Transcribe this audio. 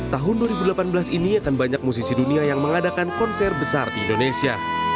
tahun dua ribu delapan belas ini akan banyak musisi dunia yang mengadakan konser besar di indonesia